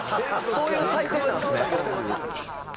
そういう祭典なんですね。